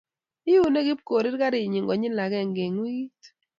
iune Kipkorir karinyi konyil agenge eng wiikit